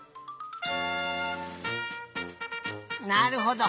なるほど。